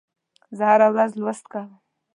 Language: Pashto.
زه هره ورځ لوست کوم.